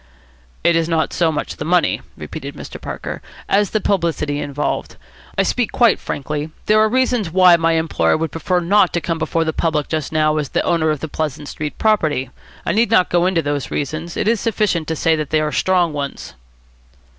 "It is not so much the money," repeated Mr. Parker, "as the publicity involved. I speak quite frankly. There are reasons why my employer would prefer not to come before the public just now as the owner of the Pleasant Street property. I need not go into those reasons. It is sufficient to say that they are strong ones."